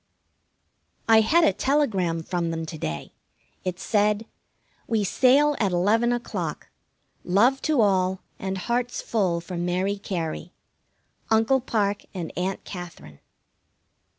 I had a telegram from them to day. It said: We sail at eleven o'clock. Love to all, and hearts full for Mary Cary. UNCLE PARKE and AUNT KATHERINE.